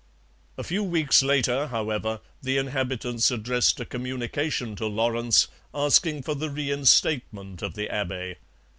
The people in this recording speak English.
A few weeks later, however, the inhabitants addressed a communication to Lawrence, asking for the reinstatement of the abbe.